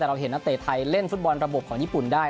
แต่เราเห็นนักเตะไทยเล่นฟุตบอลระบบของญี่ปุ่นได้